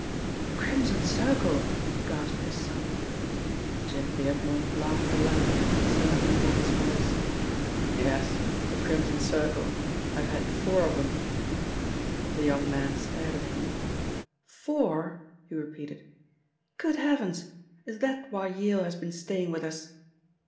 "The Crimson Circle!" gasped his son. Jim Beardmore laughed aloud at the concern in the boy's voice. "Yes, the Crimson Circle I have had four of 'em!" The young man stared at him. "Four?" he repeated. "Good heavens! Is that why Yale has been staying with us?"